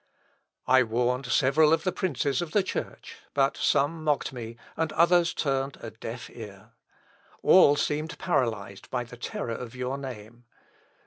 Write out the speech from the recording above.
"I warned several of the princes of the Church, but some mocked me, and others turned a deaf ear. All seemed paralysed by the terror of your name.